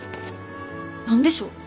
何でしょう？